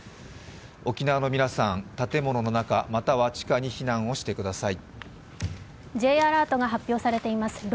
沖縄の皆さん、建物の中または地下に避難してください。